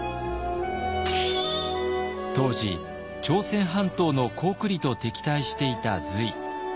当時朝鮮半島の高句麗と敵対していた隋。